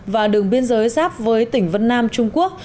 và đường biên giới giáp với tỉnh vân nam trung quốc